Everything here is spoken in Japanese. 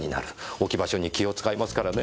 置き場所に気を使いますからね。